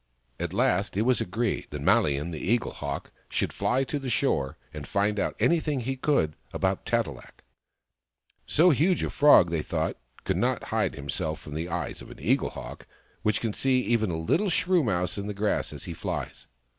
At last it was agreed that Malian, the Eaglehawk, should fly to the shore and find out anything he could about Tat e lak. So huge a Frog, they thought, could not hide him self from the eyes of an Eaglehawk, which can see even a little shrew mouse in the grass as he flies.